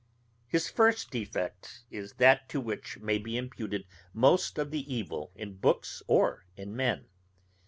His first defect is that to which may be imputed most of the evil in books or in men.